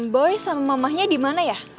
boy sama mamanya dimana ya